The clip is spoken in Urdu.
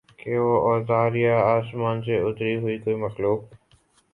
کہ وہ اوتار یا آسمان سے اتری ہوئی کوئی مخلوق